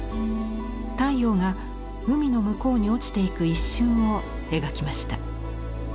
太陽が海の向こうに落ちていく一瞬を描きました。